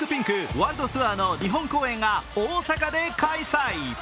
ワールドツアーの日本公演が大阪で開催。